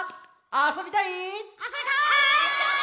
あそびたい！